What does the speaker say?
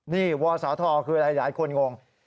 นี่วศธคือหลายคนงง